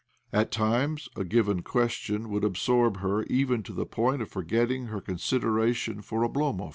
At times a given question would absorb her even to the point of forgetting her con sideration for Oblomov.